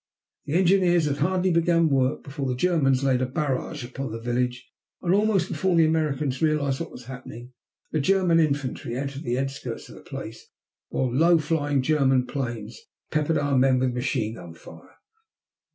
The engineers had hardly begun work before the Germans laid a barrage upon the village, and almost before the Americans realized what was happening German infantry entered the outskirts of the place while low flying German planes peppered our men with machine gun fire.